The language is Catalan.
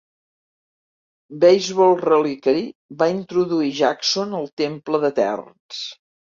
Baseball Reliquary va introduir Jackson al Temple d'eterns.